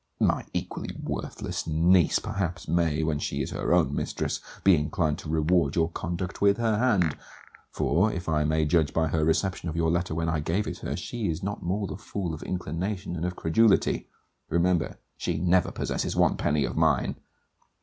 My equally worthless niece, perhaps, may, when she is her own mistress, be inclined to reward your conduct with her hand; for, if I may judge by her reception of your letter when I gave it her, she is not more the fool of inclination than of credulity. Remember, she never possesses one penny of mine.